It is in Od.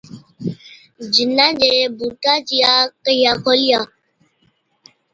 جِنا چي بُوٽان چِيا ڪهِيا کولِيا،